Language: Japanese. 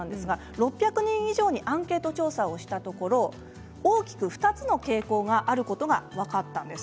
６００人以上にアンケート調査をしたところ大きく２つの傾向があることが分かったんです。